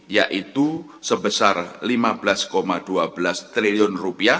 yaitu sebesar rp lima belas dua belas triliun